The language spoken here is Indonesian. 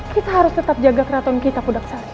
kita harus tetap jaga keraton kita pudaksasa